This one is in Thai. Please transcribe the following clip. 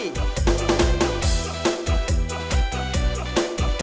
โปรดติดตามตอนต่อไป